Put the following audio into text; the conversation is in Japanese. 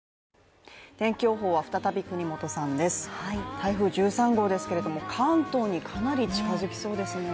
台風１３号ですけれども関東にかなり近づきそうですね。